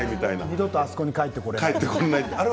二度とあそこに帰ってこれない。